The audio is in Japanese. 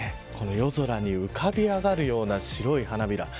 夜空に浮かび上がるような白い花びら